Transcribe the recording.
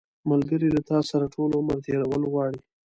ملګری له تا سره ټول عمر تېرول غواړي